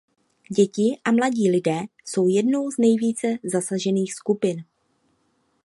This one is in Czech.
Děti a mladí lidé jsou jednou z nejvíce zasažených skupin.